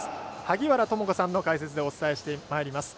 萩原智子さんの解説でお伝えしてまいります。